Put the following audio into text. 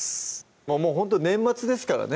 もうほんと年末ですからね